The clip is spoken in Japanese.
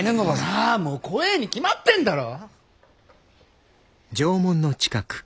ああもう怖えに決まってんだろ！